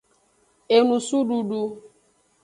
Enusududu.